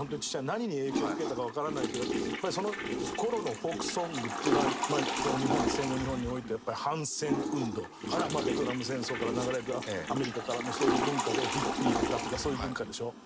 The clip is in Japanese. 何に影響を受けたかわからないけどその頃のフォークソングっていうのはこの戦後日本においてはやっぱり反戦運動あるいはベトナム戦争から流れたアメリカからのそういう文化でヒッピーだとかそういう文化でしょ。